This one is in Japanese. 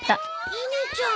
ネネちゃん。